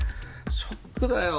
ショックだよ。